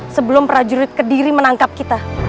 sebelum prajurit kediri menangkap kita